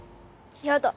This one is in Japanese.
やだ。